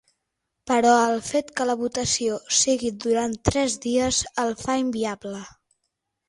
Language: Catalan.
Però el fet que la votació sigui durant tres dies el fa inviable.